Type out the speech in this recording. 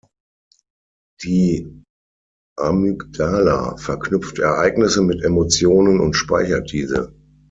Die Amygdala verknüpft Ereignisse mit Emotionen und speichert diese.